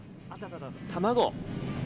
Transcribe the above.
卵。